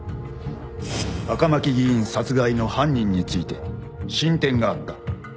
赤巻議員殺害の犯人について進展があった